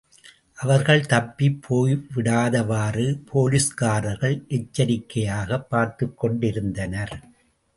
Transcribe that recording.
அவர்கள் தப்பிப் போய்விடாதவாறு போலீஸ்காரர்கள் எச்சரிக்கையாகப் பார்த்துக்கொண்டிருந்தனர்.